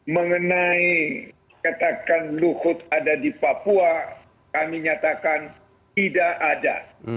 mengenai katakan luhut ada di papua kami nyatakan tidak ada